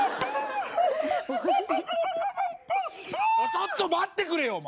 ちょっと待ってくれよお前。